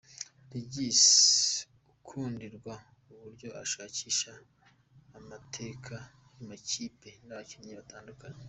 Regis akundirwa uburyo ashakisha amateka y’amakipe n’abakinnyi batandukanye.